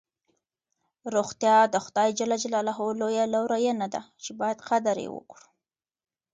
روغتیا د خدای ج لویه لورینه ده چې باید قدر یې وکړو.